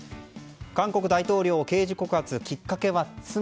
韓国大統領を刑事告発きっかけは妻。